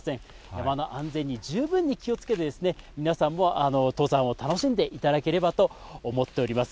山の安全に十分に気をつけてですね、皆さんも登山を楽しんでいただければと思っております。